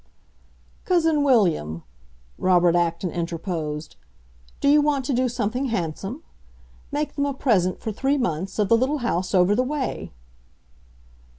"Cousin William," Robert Acton interposed, "do you want to do something handsome? Make them a present, for three months, of the little house over the way."